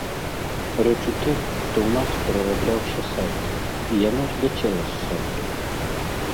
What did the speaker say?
Рэч у тым, што ў нас перарабляўся сайт, і яно зляцела з сайту.